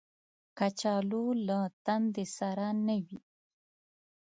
کچالو له تندې سره نه وي